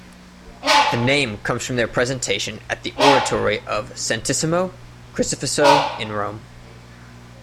The name comes from their presentation at the Oratory of Santissimo Crocifisso in Rome.